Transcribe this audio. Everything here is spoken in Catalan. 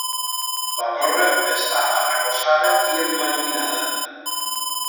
La torre està arrebossada i emblanquinada.